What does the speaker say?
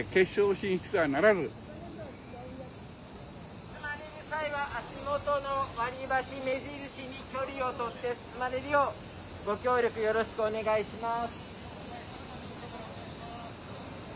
進まれる際は足元の割り箸目印に距離をとって進まれるようご協力よろしくお願いします。